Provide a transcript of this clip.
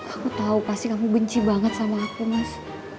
aku tahu pasti kamu benci banget sama aku mas